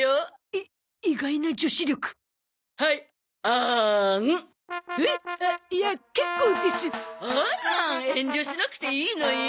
あら遠慮しなくていいのよ。